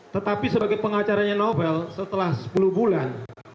tetapi sebagai pengacaranya novel setelah sepuluh bulan